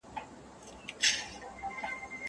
موټروان وویل چي بڼوال په اوږه باندي ګڼ توکي